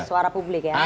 suara publik ya